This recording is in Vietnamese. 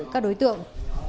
các đối tượng